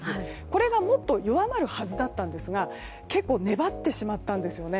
これがもっと弱まるはずだったんですが結構粘ってしまったんですね。